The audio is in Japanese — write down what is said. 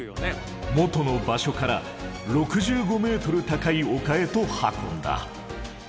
元の場所から６５ｍ高い丘へと運んだ。